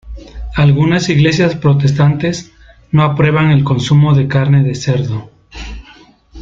Algunas iglesias protestantes no aprueban el consumo de carne de cerdo.